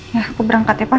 ya aku berangkat ya pak